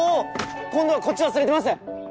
今度はこっち忘れてます！